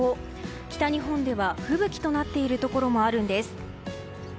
北日本では吹雪となっているところもあるんです。